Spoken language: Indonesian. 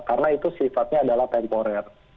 karena itu sifatnya adalah temporer